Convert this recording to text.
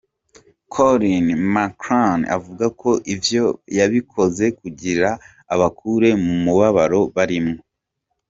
Colin Maclachlan avuga ko ivyo yabikoze kugira abakure mu mubabaro barimwo.